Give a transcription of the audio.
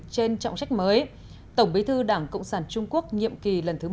trên trọng trách mới tổng bí thư đảng cộng sản trung quốc nhiệm kỳ lần thứ một mươi